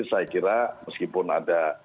saya kira meskipun ada